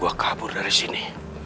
saya akan kabur dari sini